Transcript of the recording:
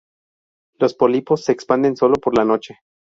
Los pólipos se expanden sólo por la noche.